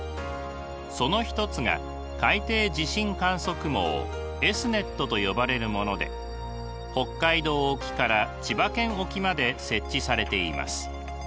その一つが海底地震観測網Ｓ−ｎｅｔと呼ばれるもので北海道沖から千葉県沖まで設置されています。